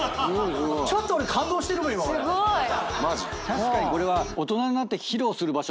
確かにこれは。